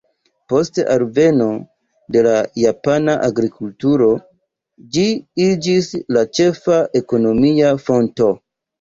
Post alveno de la japana agrikulturo ĝi iĝis la ĉefa ekonomia fonto.